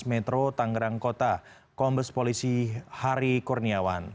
metro tangerang kota kombes polisi hari kurniawan